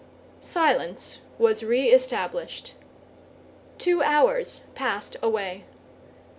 Silence was re established. Two hours passed away.